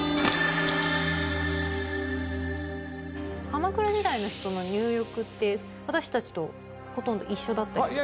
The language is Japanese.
鎌倉時代の人の入浴って私たちとほとんど一緒だったりとか？